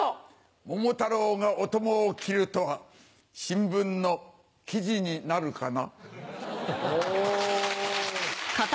桃太郎がおともを斬るとは、新聞のきじになるかな。